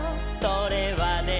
「それはね」